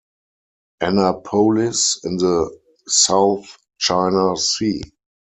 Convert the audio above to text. Annapolis in the South China Sea.